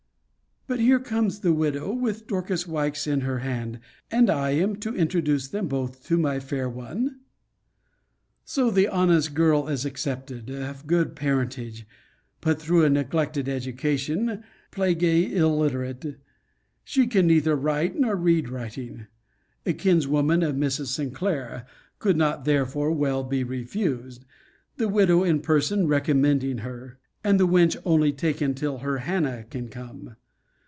But here comes the widow with Dorcas Wykes in her hand, and I am to introduce them both to my fair one? So, the honest girl is accepted of good parentage but, through a neglected education, plaguy illiterate: she can neither write, nor read writing. A kinswoman of Mrs. Sinclair could not therefore well be refused, the widow in person recommending her; and the wench only taken till her Hannah can come.